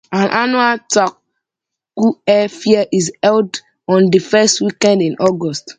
An annual Traquair Fair is held on the first weekend in August.